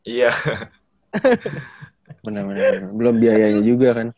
iya bener bener belum biayanya juga kan